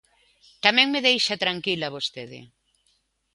Tamén me deixa tranquila vostede.